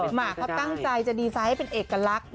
หมากเขาตั้งใจจะดีไซน์ให้เป็นเอกลักษณ์